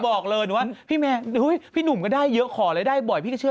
พี่หนุ่มก็ได้พี่แมว่าก็บอกว่าพี่หนุ่มก็ได้พี่ก็เชื่อเฉพาะพี่หนุ่มแหละ